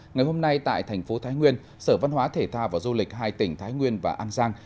ngày hôm nay tại thành phố thái nguyên sở văn hóa thể thao và du lịch hai tỉnh thái nguyên và an giang